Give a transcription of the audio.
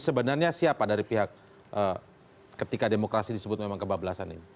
sebenarnya siapa dari pihak ketika demokrasi disebut memang kebablasan ini